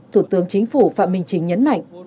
thủ tướng chính phủ phạm minh chính nhấn mạnh